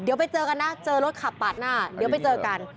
เดี๋ยวไปเจอกันนะเจอรถขับปาดหน้าเดี๋ยวไปเจอกัน